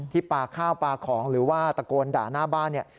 ปลาข้าวปลาของหรือว่าตะโกนด่าหน้าบ้านเนี่ย